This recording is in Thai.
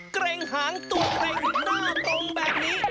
เกรงหางตัวเกร็งหน้าตรงแบบนี้